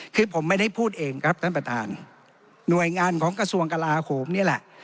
คือผมไม่ได้พูดเองครับท่านประธานหน่วยงานของกระทรวงกลาโหมนี่แหละ